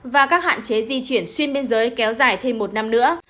và các hạn chế di chuyển xuyên biên giới kéo dài thêm một năm nữa